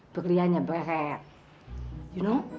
perlianya berat you know